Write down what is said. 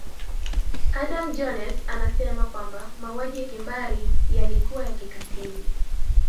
adam jones anasema kwamba mauaji ya kimbari yalikuwa ya kikatili